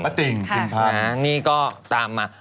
ป้าติ่งขึ้นพักนี่ก็ตามมา